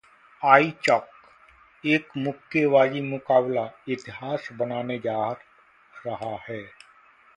iChowk: एक मुक्केबाजी मुकाबला इतिहास बनाने जा रहा है